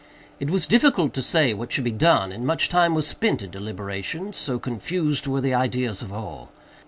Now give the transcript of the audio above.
It was difficult to say what should be done, and much time was spent in deliberation—so confused were the ideas of all.